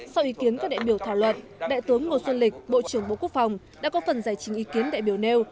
sau ý kiến các đại biểu thảo luận đại tướng ngô xuân lịch bộ trưởng bộ quốc phòng đã có phần giải trình ý kiến đại biểu nêu